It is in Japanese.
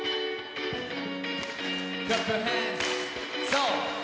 そう。